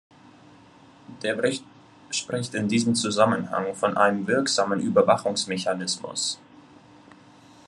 Der Bericht spricht in diesem Zusammenhang von einem wirksamen Überwachungsmechanismus.